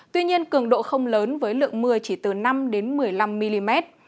tuy nhiên cường độ không lớn với lượng mưa chỉ từ năm một mươi năm mm